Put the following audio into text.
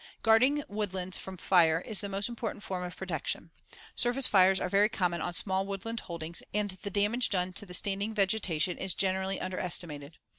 Guarding woodlands from fire is the most important form of protection. Surface fires are very common on small woodland holdings and the damage done to the standing vegetation is generally underestimated.